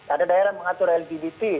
ada daerah mengatur lgbt